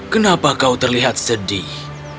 kenapa kau terlihat sedih